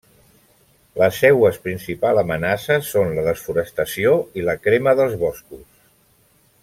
Les seues principals amenaces són la desforestació i la crema dels boscos.